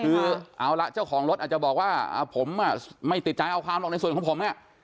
คือเอาละเจ้าของรถอาจจะบอกว่าผมไม่ติดใจเอาความหรอกในส่วนของผมเนี่ย